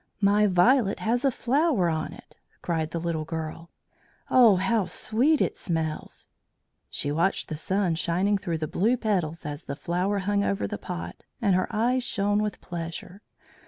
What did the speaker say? "My violet has a flower on it!" cried the little girl. "Oh, how sweet it smells!" She watched the sun shining through the blue petals as the flower hung over the pot, and her eyes shone with pleasure.